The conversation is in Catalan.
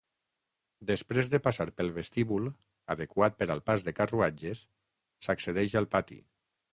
Després de passar pel vestíbul, adequat per al pas de carruatges, s'accedeix al pati.